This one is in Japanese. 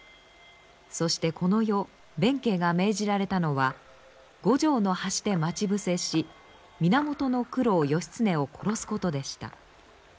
そしてこの夜弁慶が命じられたのは五条の橋で待ち伏せし源九郎義経を殺すことでした。